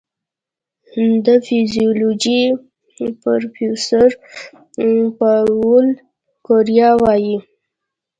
د فزیولوژي پروفېسور پاولو کوریا وايي